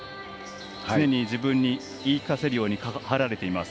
常に自分に言い聞かせるように貼られています。